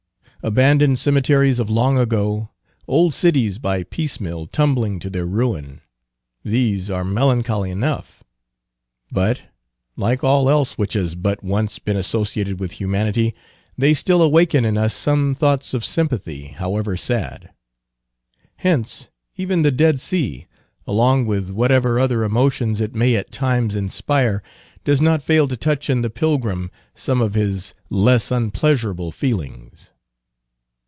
Abandoned cemeteries of long ago, old cities by piecemeal tumbling to their ruin, these are melancholy enough; but, like all else which has but once been associated with humanity, they still awaken in us some thoughts of sympathy, however sad. Hence, even the Dead Sea, along with whatever other emotions it may at times inspire, does not fail to touch in the pilgrim some of his less unpleasurable feelings.